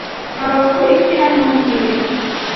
Aba bakora iki hano mbwira